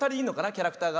キャラクターが。